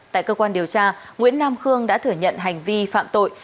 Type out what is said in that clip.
tại cơ quan điều tra nguyễn nam khương đã thử nhận hành vi phạm tội